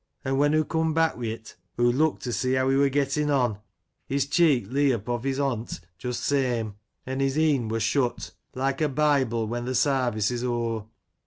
An', when hoo coom back wi 't, hoo looked to see heaw he wur gettin' on. His cheek lee upov his hont — ^just same. An' his e'en wur shut; like a Bible when th' sarvice is o'er.